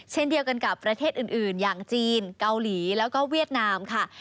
เช่นเดียวกันกับประเทศอื่นอย่างจีนเกาหลีแล้วก็เวียดนามค่ะ